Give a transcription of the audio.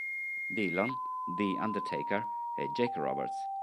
Dillon, The Undertaker, e Jake Roberts.